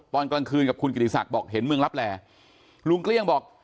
ตอนกลางคืนกับคุณกิติศักดิ์บอกเห็นเมืองลับแลลุงเกลี้ยงบอก